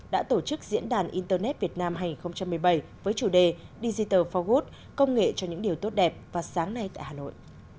đã tổ chức diễn đàn internet việt nam hai nghìn một mươi bảy với chủ đề digital fogood công nghệ cho những điều tốt đẹp vào sáng nay tại hà nội